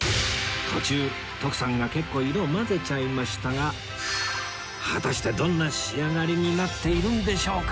途中徳さんが結構色を混ぜちゃいましたが果たしてどんな仕上がりになっているんでしょうか？